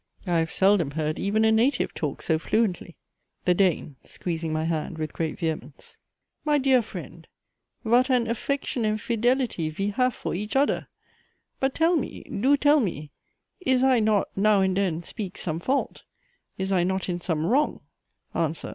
I have seldom heard even a native talk so fluently. THE DANE. (Squeezing my hand with great vehemence.) My dear friend! vat an affection and fidelity ve have for each odher! But tell me, do tell me, Is I not, now and den, speak some fault? Is I not in some wrong? ANSWER.